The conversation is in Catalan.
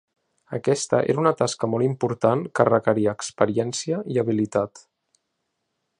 Aquesta era una tasca molt important que requeria experiència i habilitat.